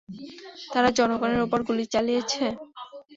তারা জনগণের ওপর গুলি চালিয়েছে!